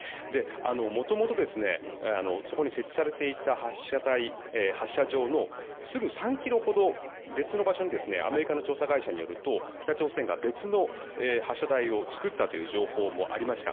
元々、そこに設置されていた発射場のすぐ３ｋｍほどの別の場所にアメリカの調査会社によると北朝鮮が別の発射台を作ったという情報もありました。